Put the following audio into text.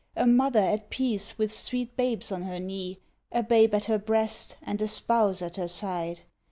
A mother at peace, with sweet babes on her knee! A babe at her breast and a spouse at her side!